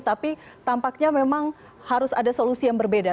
tapi tampaknya memang harus ada solusi yang berbeda